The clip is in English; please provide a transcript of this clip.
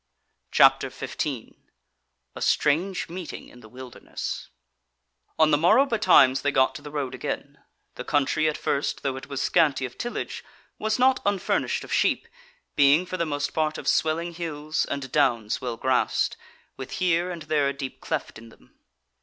CHAPTER 15 A Strange Meeting in the Wilderness On the morrow betimes they got to the road again; the country at first, though it was scanty of tillage, was not unfurnished of sheep, being for the most part of swelling hills and downs well grassed, with here and there a deep cleft in them.